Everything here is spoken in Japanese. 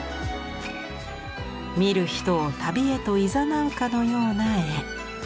見る人を旅へと誘うかのような絵。